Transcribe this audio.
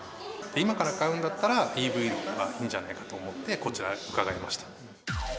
今から買うんだったらＥＶのほうがいいんじゃないかと思って、こちらに伺いました。